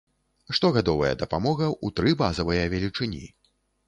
Штогадовая дапамога ў тры базавыя велічыні.